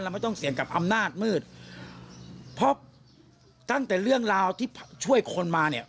ไม่ต้องเสี่ยงกับอำนาจมืดเพราะตั้งแต่เรื่องราวที่ช่วยคนมาเนี่ย